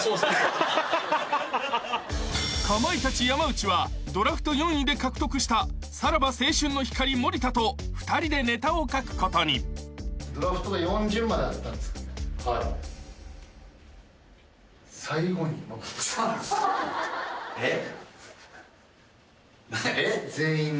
［かまいたち山内はドラフト４位で獲得したさらば青春の光森田と２人でネタを書くことに］えっ？